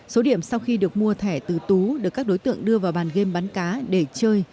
số điểm sau khi được mua thẻ từ tú được các đối tượng đưa vào bàn game bắn cá để chơi